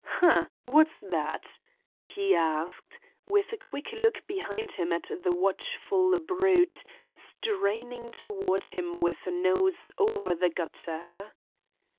"Ha! what's that?" he asked, with a quick look behind him at the watchful brute straining toward him with nose over the gutter.